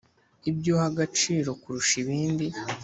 ibyo uha agaciro kurusha ibindi